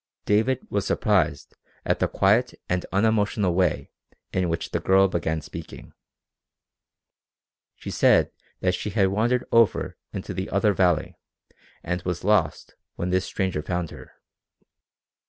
David was surprised at the quiet and unemotional way in which the girl began speaking. She said that she had wandered over into the other valley and was lost when this stranger found her.